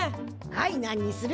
はいなんにする？